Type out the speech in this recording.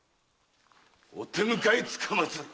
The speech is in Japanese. お手向かいつかまつる！